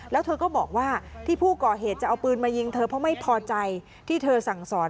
แล้วเธอก็บอกว่าที่ผู้ก่อเหตุจะเอาปืนมายิงเธอเพราะไม่พอใจที่เธอสั่งสอน